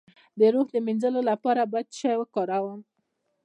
د روح د مینځلو لپاره باید څه شی وکاروم؟